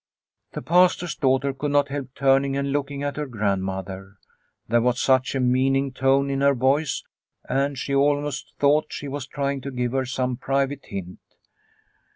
The Pastor's daughter could not help turning and looking at her grandmother. There was such a meaning tone in her voice and she almost thought she was trying to give her some private hint.